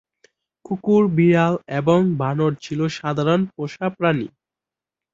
কুকুর, বিড়াল এবং বানর ছিল সাধারণ পোষা প্রাণী।